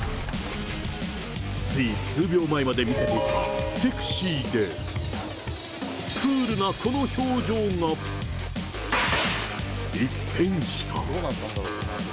つい数秒前まで見せていた、セクシーでクールなこの表情が、一変した。